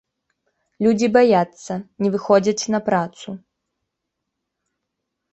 Людзі баяцца, не выходзяць на працу.